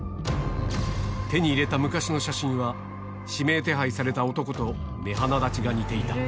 手に入れた昔の写真は、指名手配された男と目鼻立ちが似ていた。